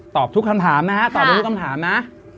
ทุกคำถามนะฮะตอบได้ทุกคำถามนะ